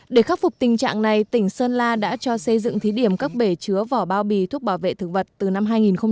để khắc phục tình trạng này tỉnh sơn la đã cho xây dựng thí điểm các bể chứa vỏ bao bì thuốc bảo vệ thực vật từ năm hai nghìn một mươi